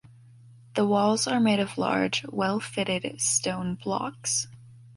The walls are made of large, well-fitted stone blocks.